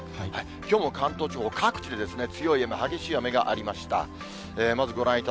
きょうも関東地方、各地で強い雨、激しい雨がありました。